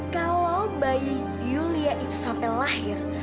kalau bayi yulia itu sampai lahir